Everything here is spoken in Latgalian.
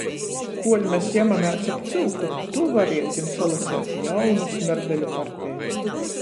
Kuoļ mes jamamēs ap cyuku, tu varietim salaseit jaunu smerdeļu parteju.